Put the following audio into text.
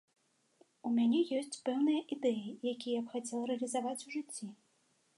У мяне ёсць пэўныя ідэі, якія б я хацела рэалізаваць у жыцці.